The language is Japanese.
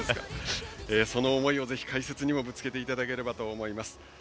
その思いを解説にもぶつけていただければと思います。